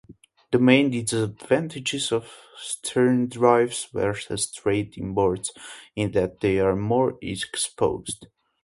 The main disadvantages of sterndrives versus straight inboards is that they are more exposed.